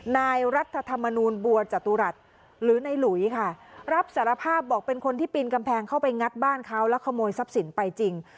นายรัฐธรรมนูลบัวจตุรัสหรือในหลุยค่ะรับสารภาพบอกเป็นคนที่ปีนกำแพงเข้าไปงัดบ้านเขาแล้วขโมยทรัพย์สินไปจริง